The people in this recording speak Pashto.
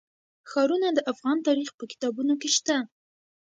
ښارونه د افغان تاریخ په کتابونو کې شته.